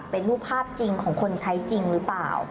เป็นรูปภาพจริงของคนใช้จริงหรือเปล่า